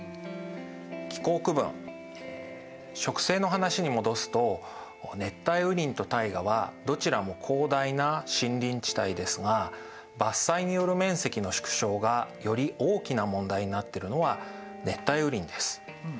気候区分植生の話に戻すと熱帯雨林とタイガはどちらも広大な森林地帯ですが伐採による面積の縮小がより大きな問題になっているのは熱帯雨林です。